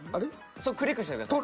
それクリックしてください。